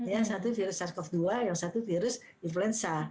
yang satu virus sars cov dua yang satu virus influenza